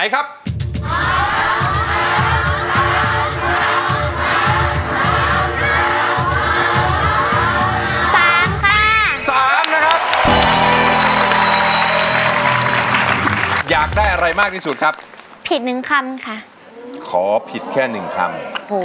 กอดไทยไว้กอดดีกว่า